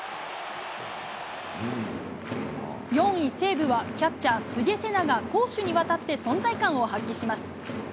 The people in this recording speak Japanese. ４位西武は、キャッチャー、柘植世那が攻守にわたって存在感を発揮します。